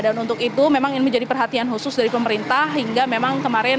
dan untuk itu memang ini menjadi perhatian khusus dari pemerintah hingga memang kemarin